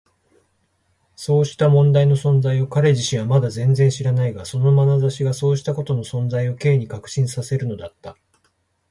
そうした問題の存在を彼自身はまだ全然知らないが、そのまなざしがそうしたことの存在を Ｋ に確信させるのだった。